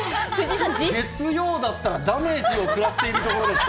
月曜だったら、ダメージを食らっているところでした。